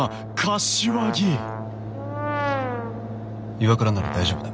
岩倉なら大丈夫だ。